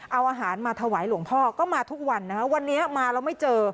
เอาอาหารมาถวายหลวงพ่อก็มาทุกวันนะคะวันนี้มาแล้วไม่เจอ